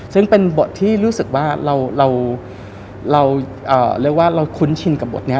ซึ่งเป็นบทที่รู้สึกว่าเราคุ้นชินกับบทนี้